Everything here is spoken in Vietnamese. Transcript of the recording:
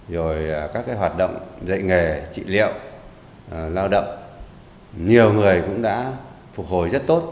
rồi các hoạt động dạy nghề trị liệu lao động nhiều người cũng đã phục hồi rất tốt